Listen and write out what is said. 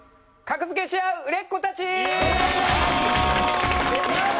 格付けしあう売れっ子たち！